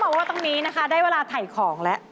บอกว่าตรงนี้นะคะได้เวลาถ่ายของแล้ว